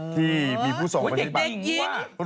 ที่มีผู้ส่งมาจากจังหวัด